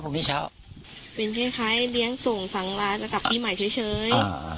พรุ่งนี้เช้าเป็นคล้ายเลี้ยงส่งสั่งลาจะกลับปีใหม่เฉย